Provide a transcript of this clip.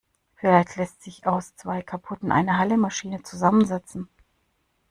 Vielleicht lässt sich aus zwei kaputten eine heile Maschine zusammensetzen.